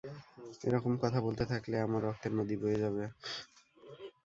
এরকম কথা বলতে থাকলে আমার রক্তের নদী বয়ে যাবে।